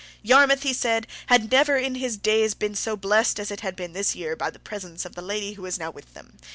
Yarmouth, he said, had never in his days been so blessed as it had been this year by the presence of the lady who was now with them.